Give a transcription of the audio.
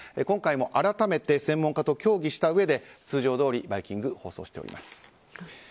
今回も改めて専門家と協議したうえで通常どおり「バイキング」放送しております。